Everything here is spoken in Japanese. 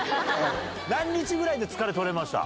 何日ぐらいで疲れ取れました？